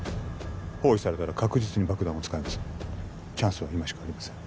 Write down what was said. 包囲されたら確実に爆弾を使いますチャンスは今しかありません